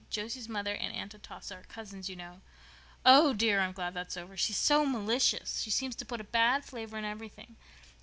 "Josie's mother and Aunt Atossa are cousins, you know. Oh, dear, I'm glad that's over. She's so malicious—she seems to put a bad flavor in everything.